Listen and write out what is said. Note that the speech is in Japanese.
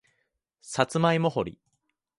さつまいも掘り